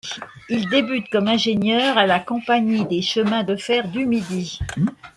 Il débute comme ingénieur à la compagnie des chemins de fer du Midi.